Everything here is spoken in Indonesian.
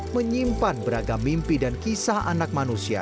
menyimpan beragam mimpi dan kisah anak manusia